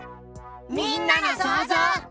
みんなのそうぞう。